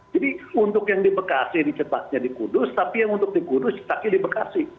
jadi untuk yang di bekasi dicetaknya di kudus tapi yang untuk di kudus dicetaknya di bekasi